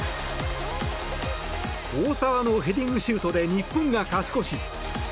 大澤のヘディングシュートで日本が勝ち越し。